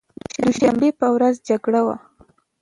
دوشنبې په ورځ جګړه وه.